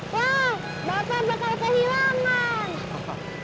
pak bapak bakal kehilangan